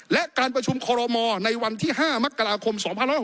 และการประชุมคอรมอลในวันที่๕มกราคม๒๖๖